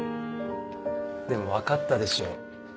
でも分かったでしょ？